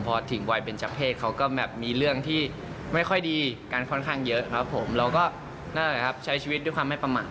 พอถึงวัยเป็นเจ้าเพศเขาก็แบบมีเรื่องที่ไม่ค่อยดีกันค่อนข้างเยอะครับผมเราก็นั่นแหละครับใช้ชีวิตด้วยความไม่ประมาท